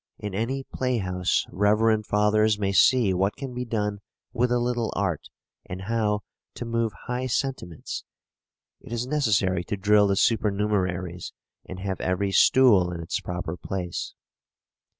In any play house reverend fathers may see what can be done with a little art, and how, to move high sentiments, it is necessary to drill the supernumeraries and have every stool in its proper place.